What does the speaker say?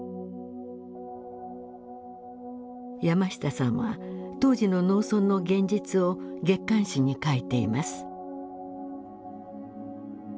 山下さんは当時の農村の現実を月刊誌に書いています。